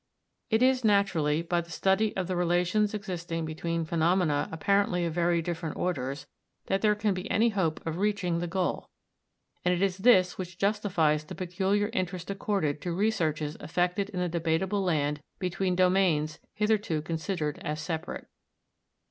It is, naturally, by the study of the relations existing between phenomena apparently of very different orders that there can be any hope of reaching the goal; and it is this which justifies the peculiar interest accorded to researches effected in the debatable land between domains hitherto considered as separate.